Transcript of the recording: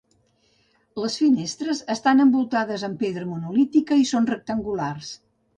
Les finestres estan envoltades amb pedra monolítica i són rectangulars.